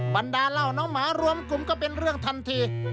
บรรดาเหล้าน้องหมารวมกลุ่มก็เป็นเรื่องทันที